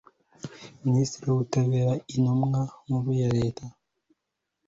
minisitiri w'ubutabera/intumwa nkuru ya leta